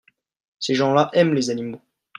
Ces gens-là aiment les animaux.